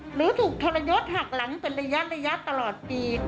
หรือถูกทรยศหักหลังเป็นระยะตลอดปี